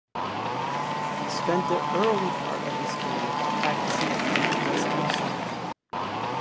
He spent the early part of his career practising on the Western Circuit.